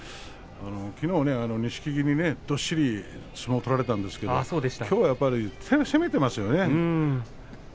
きのうは錦木に、どっしりと相撲を取られたんですけどきょうは攻めていますよね。